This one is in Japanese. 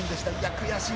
悔しい。